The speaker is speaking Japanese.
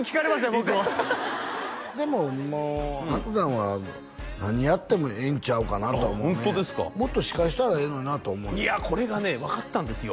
僕もでももう伯山は何やってもええんちゃうかなと思うねもっと司会したらええのになと思うよいやこれがね分かったんですよ